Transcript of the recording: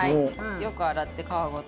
よく洗って皮ごと。